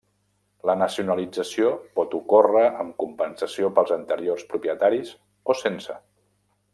La nacionalització pot ocórrer amb compensació pels anteriors propietaris o sense.